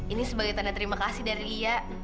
ini sebagai tanda terima kasih dari lia